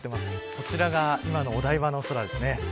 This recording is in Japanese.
こちらが今のお台場の空です。